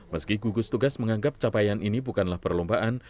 meski gugus tugas menganggap capaian ini bukanlah perlombaan